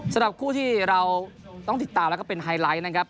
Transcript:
สำหรับคู่ที่เราต้องติดตามแล้วก็เป็นไฮไลท์นะครับ